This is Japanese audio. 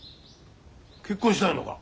結婚したいのか？